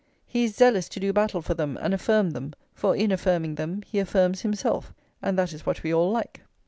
He is zealous to do battle for them and affirm them, for in affirming them he affirms himself, and that is what we all like.